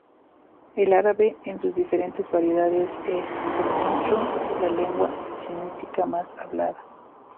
El árabe en sus diferentes variedades es, con mucho, la lengua semítica más hablada.